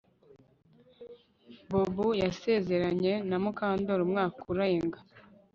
Bob yasezeranye na Mukandoli umwaka urenga